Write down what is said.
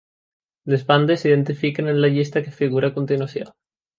Les bandes s'identifiquen en la llista que figura a continuació.